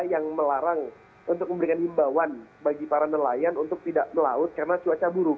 yang melarang untuk memberikan himbawan bagi para nelayan untuk tidak melaut karena cuaca buruk